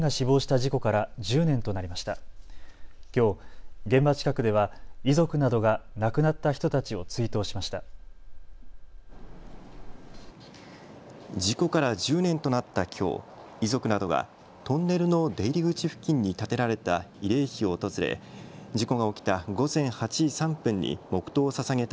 事故から１０年となったきょう、遺族などがトンネルの出入り口付近に建てられた慰霊碑を訪れ事故が起きた午前８時３分に黙とうをささげた